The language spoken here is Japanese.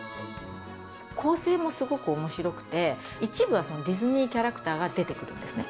構成もすごくおもしろくて、１部はディズニーキャラクターが出てくるんですね。